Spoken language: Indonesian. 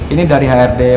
ini dari hrd perusahaan